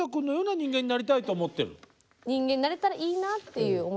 人間になれたらいいなっていう面白いなっていう。